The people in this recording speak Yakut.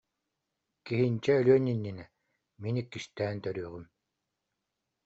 Киһинчэ өлүөн иннинэ: «Мин иккистээн төрүөҕүм»